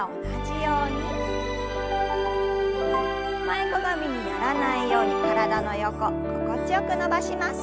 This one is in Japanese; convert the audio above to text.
前かがみにならないように体の横心地よく伸ばします。